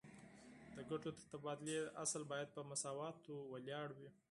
د ګټو د تبادلې اصل باید په مساواتو ولاړ وي